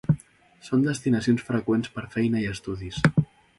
Són destinacions freqüents per feina i estudis.